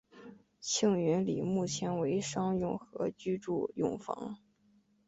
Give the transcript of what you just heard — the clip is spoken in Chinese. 庆云里目前为商用和居住用房。